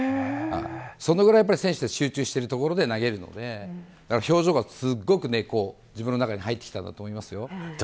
それぐらい選手たちは集中しているところで投げるので表情が自分の中にすごく入ってきたと思います。